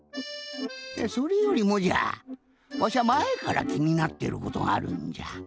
それよりもじゃわしゃまえからきになってることがあるんじゃ。